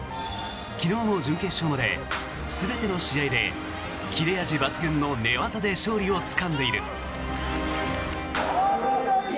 昨日も準決勝まで全ての試合で切れ味抜群の寝技で勝利をつかんでいる。